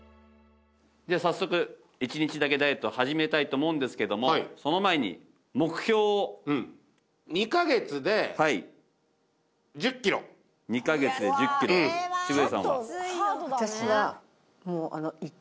じゃあ早速１日だけダイエット始めたいと思うんですけどもその前に目標を２カ月で１０キロうん澁江さんは？